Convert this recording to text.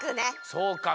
そうか。